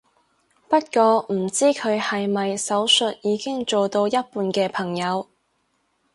不過唔知佢係咪手術已經做到一半嘅朋友